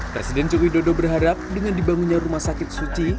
presiden jogi dodong berharap dengan dibangunnya rumah sakit suci